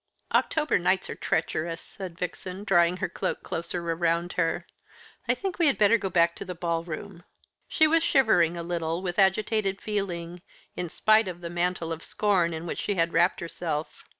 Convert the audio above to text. "October nights are treacherous," said Vixen, drawing her cloak closer around her. "I think we had better go back to the ball room." She was shivering a little with agitated feeling, in spite of that mantle of scorn in which she had wrapped herself.